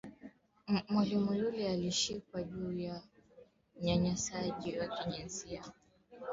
Tanganika inatoshaka mikebuka mingi sana